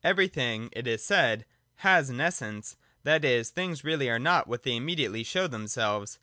Everything, it is said, has an Essence ; that is, things really are not what they immediately show themselves.